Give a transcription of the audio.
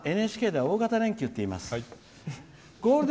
ＮＨＫでは大型連休といいます。